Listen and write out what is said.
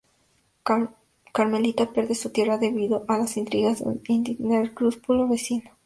Carmelita pierde sus tierras debido a las intrigas de un inescrupuloso vecino.